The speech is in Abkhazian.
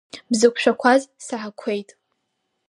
Бзықәшәақәаз саҳақәеит.